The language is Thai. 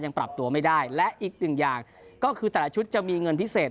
ปรับตัวไม่ได้และอีกหนึ่งอย่างก็คือแต่ละชุดจะมีเงินพิเศษ